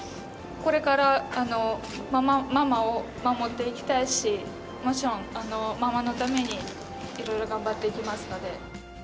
これから、ママを守っていきたいし、もちろんママのためにいろいろ頑張っていきますので。